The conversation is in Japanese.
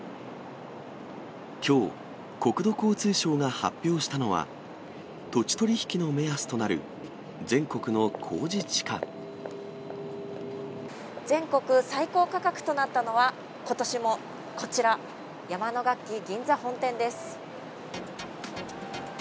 きょう、国土交通省が発表したのは、土地取り引きの目安となる、全国最高価格となったのは、ことしもこちら、山野楽器銀座本店です。